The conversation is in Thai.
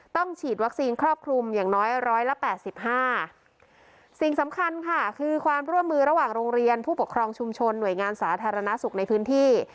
ฉีดวัคซีนครอบคลุมอย่างน้อยร้อยละแปดสิบห้าสิ่งสำคัญค่ะคือความร่วมมือระหว่างโรงเรียนผู้ปกครองชุมชนหน่วยงานสาธารณสุขในพื้นที่